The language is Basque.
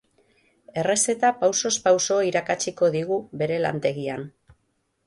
Errezeta pausoz pauso irakatsiko digu, bere lantegian.